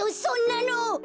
そんなの！